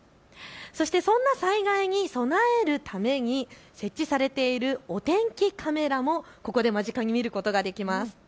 そして、そんな災害に備えるために設置されているお天気カメラも間近で見ることができます。